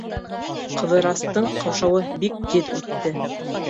Ҡыҙырастың ҡаушауы бик тиҙ үтте.